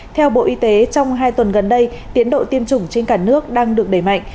theo bộ y tế trong hai tuần gần đây tiến độ tiêm chủng trên cả nước đang được đẩy mạnh